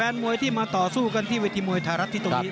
มวยที่มาต่อสู้กันที่เวทีมวยไทยรัฐที่ตรงนี้